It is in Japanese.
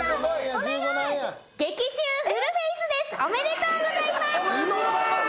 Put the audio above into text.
おめでとうございます。